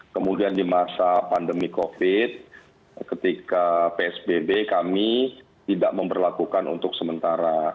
kemudian di masa pandemi covid ketika psbb kami tidak memperlakukan untuk sementara